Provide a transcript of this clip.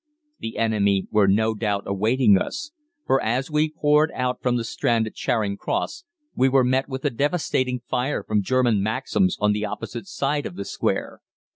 "The enemy were no doubt awaiting us, for as we poured out from the Strand at Charing Cross we were met with a devastating fire from German Maxims on the opposite side of the square.